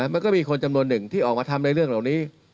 มันก็มีคนจำนวนหนึ่งที่ออกมาทำในเรื่องเหล่านี้